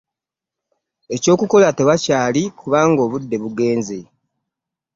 Eky'okukola tewakyali kubanga obudde bugenze.